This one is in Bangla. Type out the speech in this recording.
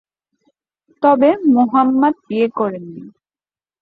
তবে মুহাম্মাদ বিয়ে করেননি।